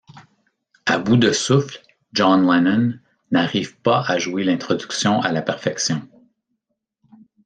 À bout de souffle, John Lennon n'arrive pas à jouer l'introduction à la perfection.